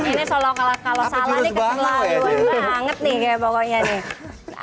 ini kalau salah nih keterlaluan banget nih kayak pokoknya nih